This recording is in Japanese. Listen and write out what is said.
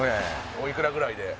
おいくらぐらいで？